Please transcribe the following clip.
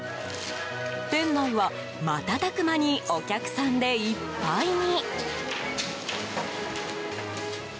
店内は瞬く間にお客さんでいっぱいに。